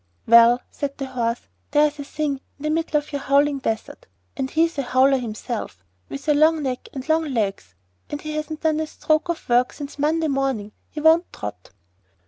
'Well,' said the Horse, 'there's a thing in the middle of your Howling Desert (and he's a Howler himself) with a long neck and long legs, and he hasn't done a stroke of work since Monday morning. He won't trot.